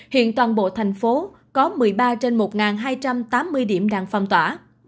hiện toàn bộ thành phố có một mươi ba trên một hai trăm tám mươi điểm đang phong tỏa